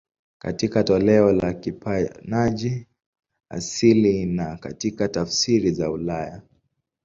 Katika toleo la Kijapani asili na katika tafsiri za ulaya.